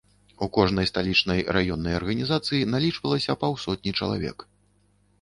У кожнай сталічнай раённай арганізацыі налічвалася паўсотні чалавек.